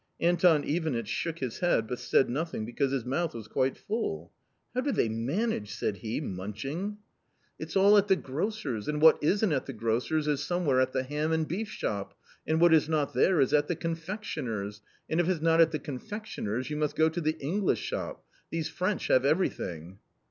Anton Ivanitch shook his head, but said nothing because his mouth was quite full. " How do they manage ?" said he .munching. 250 A COMMON STORY " It's all at the grocer's ; and what isn't at the grocer's is somewhere at the ham and beef shop, and what is not there is at the confectioner's ; and if it's not at the con fectioner's, you must go to the English shop : these French have everything."